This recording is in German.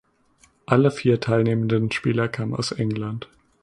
Alle vier teilnehmenden Spieler kamen aus England.